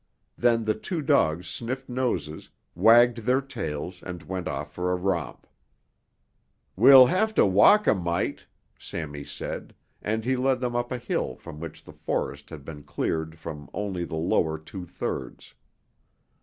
Then the two dogs sniffed noses, wagged their tails and went off for a romp. "We'll have to walk a mite," Sammy said, and he led them up a hill from which the forest had been cleared from only the lower two thirds.